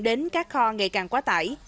tính các kho ngày càng quá tải